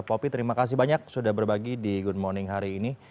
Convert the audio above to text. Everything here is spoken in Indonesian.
popi terima kasih banyak sudah berbagi di good morning hari ini